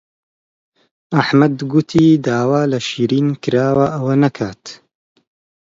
ئەحمەد گوتی داوا لە شیرین کراوە ئەوە نەکات.